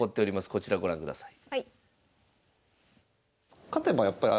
こちらご覧ください。